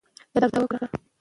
ته دا کوژده وکړه.